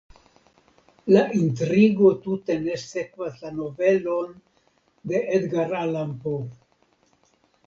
La intrigo tute ne sekvas la novelon de Edgar Allan Poe.